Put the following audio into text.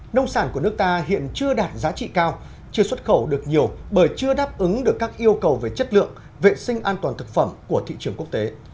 nông sản của nước ta hiện chưa đạt giá trị cao chưa xuất khẩu được nhiều bởi chưa đáp ứng được các yêu cầu về chất lượng vệ sinh an toàn thực phẩm của thị trường quốc tế